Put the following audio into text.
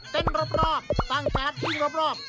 เต้นรอบตั้งกาศยิงรอบ